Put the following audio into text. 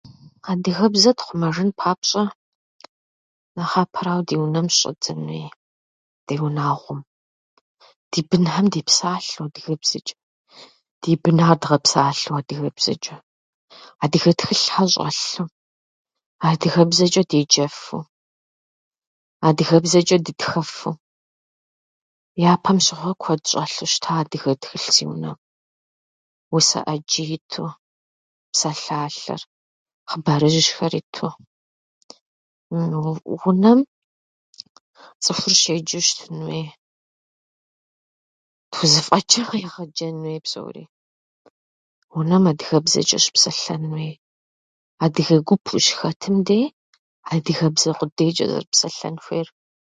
Адыгэбзэр тхъумэжын папщӏэ, нэхъапэрауэ ди унэм щыщӏэддзэн хуей, ди унагъуэм: ди бынхьэм депсалъэу адыгэбзэчӏэ, ди бынхьэр дгъэпсалъэу адыгэбзэчӏэ, адыгэ тхылъхьэр щӏэлъу, адыгэбзэчӏэ деджэфу, адыгэбзэчӏэ дытхэфу. Япэм щыгъуэ куэд щӏэлъу щыта адыгэ тхылъ си унэм, усэ ӏэджи иту, псалъалъэр, хъыбарыжьхэр иту. -уну Унэм цӏыхур щеджэу щытын хуей, тхузэфӏэчӏмэ, егъэджэн хуей псори, унэм адыгэбзэчӏэ щыпсэлъэн хуей. Адыгэ гуп ущыхэтым дей адыгэбзэ къудейчӏэ зэрыпсэлъэн хуейр.